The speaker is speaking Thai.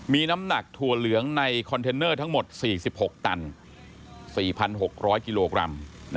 มีน้ำหนักถั่วเหลืองในคอนเทนเนอร์ทั้งหมด๔๖ตัน๔๖๐๐กิโลกรัม